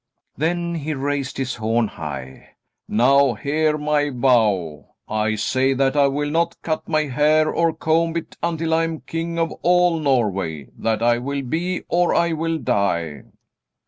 Then he raised his horn high. "Now hear my vow. I say that I will not cut my hair or comb it until I am king of all Norway. That I will be or I will die."